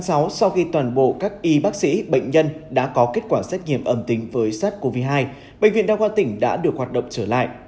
chín tháng sáu sau khi toàn bộ các y bác sĩ bệnh nhân đã có kết quả xét nghiệm âm tính với sars cov hai bệnh viện đa khoa tĩnh đã được hoạt động trở lại